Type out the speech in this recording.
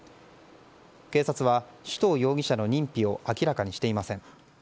警察は首藤容疑者の認否を明らかにしていません。